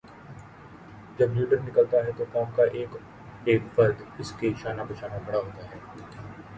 جب لیڈر نکلتا ہے تو قوم کا ایک ایک فرد اسکے شانہ بشانہ کھڑا ہوتا ہے۔